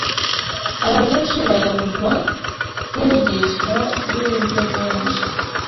abantu kenshi bayobywa n'inyigisho z'uburyo bwinshi